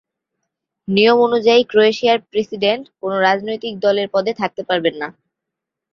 নিয়ম অনুযায়ী ক্রোয়েশিয়ার প্রেসিডেন্ট কোন রাজনৈতিক দলের পদে থাকতে পারবেন না।